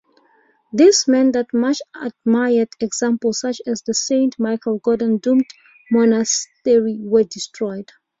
This meant that much-admired examples such as the Saint Michael's Golden-Domed Monastery were destroyed.